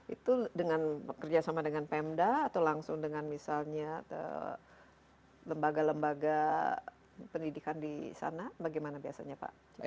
itu dengan bekerja sama dengan pemda atau langsung dengan misalnya lembaga lembaga pendidikan di sana bagaimana biasanya pak